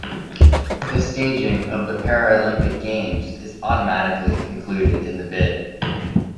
The staging of the Paralympic Games is automatically included in the bid.